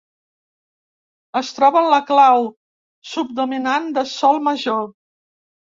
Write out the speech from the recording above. Es troba en la clau subdominant de sol major.